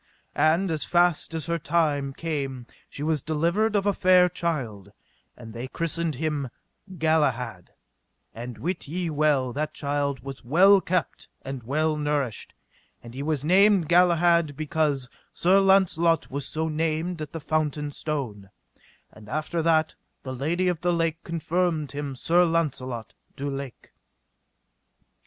And as fast as her time came she was delivered of a fair child, and they christened him Galahad; and wit ye well that child was well kept and well nourished, and he was named Galahad because Sir Launcelot was so named at the fountain stone; and after that the Lady of the Lake confirmed him Sir Launcelot du Lake.